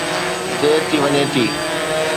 دير ٿي وڃي ٿي.